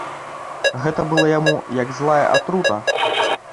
Гэта было яму, як злая атрута.